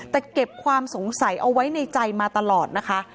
แต่เก็บความสงสัยเอาไว้ในใจมาตลอดนะคะ